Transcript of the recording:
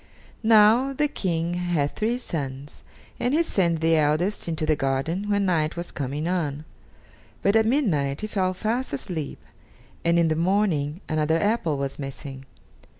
Now, the King had three sons, and he sent the eldest into the garden when night was coming on; but at midnight he fell fast asleep, and in the morning another apple was missing.